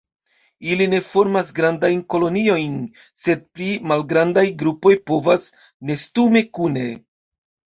Ili ne formas grandajn koloniojn, sed pli malgrandaj grupoj povas nestumi kune.